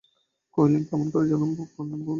কহিলেন, কেমন করে জানব বলুন।